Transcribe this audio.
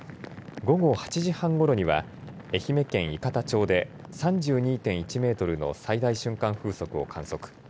午後８時半ごろには愛媛県伊方町で３２．１メートルの最大瞬間風速を観測。